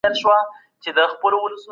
څه ډول شرایط د خوندي استوګني لپاره اړین دي؟